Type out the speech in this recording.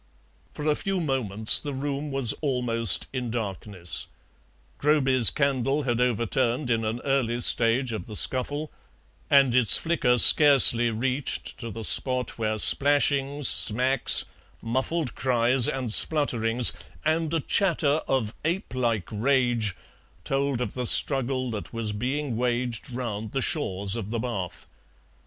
For a few moments the room was almost in darkness: Groby's candle had overturned in an early stage of the scuffle, and its flicker scarcely reached to the spot where splashings, smacks, muffled cries, and splutterings, and a chatter of ape like rage told of the struggle that was being waged round the shores of the bath.